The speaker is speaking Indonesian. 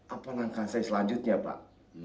apa langkah saya selanjutnya pak